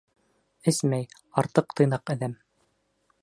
Эсмәй, артыҡ тыйнаҡ әҙәм.